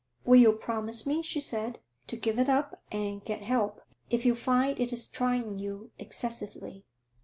'Will you promise me,' she said, 'to give it up and get help if you find it is trying you excessively?'